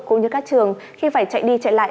cũng như các trường khi phải chạy đi chạy lại